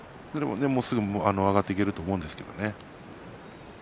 そうするとすぐ上がっていけると思うんですがね。